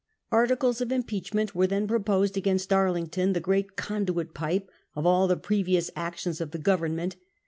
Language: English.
Articles of impeachment were Arlington, then proposed against Arlington, the 'great conduit pipe' of all the previous actions of the govern ment.